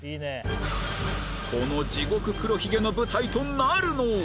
この地獄黒ひげの舞台となるのは？